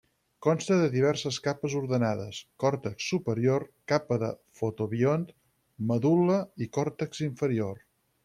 Consta de diverses capes ordenades: còrtex superior, capa del fotobiont, medul·la i còrtex inferior.